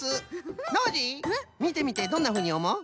ノージーみてみてどんなふうにおもう？